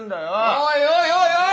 おいおいおいおい！